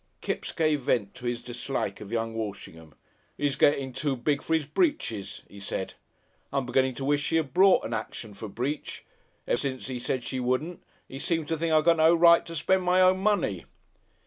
Kipps gave vent to his dislike of young Walshingham. "He's getting too big for 'is britches," he said. "I'm beginning to wish she 'ad brought an action for breach. Ever since 'e said she wouldn't, 'e's seemed to think I've got no right to spend my own money."